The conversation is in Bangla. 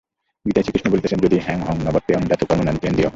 গীতায় শ্রীকৃষ্ণ বলিতেছেন যদি হ্যহং ন বর্তেয়ং জাতু কর্মণ্যতন্দ্রিতঃ।